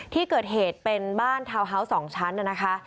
ที่เกิดเหตุเป็นบ้านทาวน์ฮาวส์๒ชั้นนะคะ